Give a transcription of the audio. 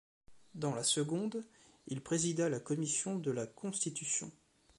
Dans la seconde, il présida la commission de la Constitution.